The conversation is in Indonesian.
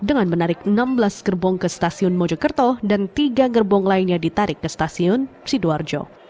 dengan menarik enam belas gerbong ke stasiun mojokerto dan tiga gerbong lainnya ditarik ke stasiun sidoarjo